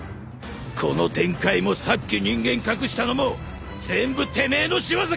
この天界もさっき人間隠したのも全部てめえの仕業か！？